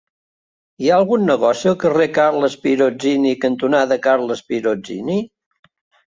Hi ha algun negoci al carrer Carles Pirozzini cantonada Carles Pirozzini?